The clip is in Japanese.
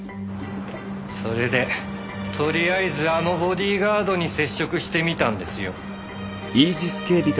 それでとりあえずあのボディーガードに接触してみたんですよ。